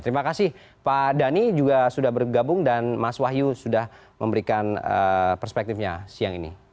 terima kasih pak dhani juga sudah bergabung dan mas wahyu sudah memberikan perspektifnya siang ini